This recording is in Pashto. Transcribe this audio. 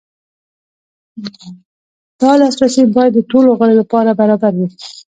دا لاسرسی باید د ټولو غړو لپاره برابر وي.